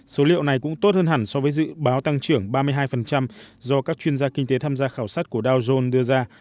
số liệu này cũng tốt hơn hẳn so với dự báo tăng trưởng ba mươi hai do các chuyên gia kinh tế tham gia khảo sát của dow jones đưa ra